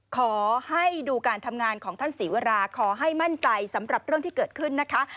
ขอให้ดูการทำงานของท่านศรีวราขอให้มั่นใจสำหรับเรื่องที่เกิดขึ้นนะคะ